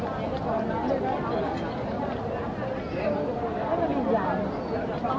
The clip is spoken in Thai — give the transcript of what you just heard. มันเป็นสิ่งที่จะให้ทุกคนรู้สึกว่ามันเป็นสิ่งที่จะให้ทุกคนรู้สึกว่า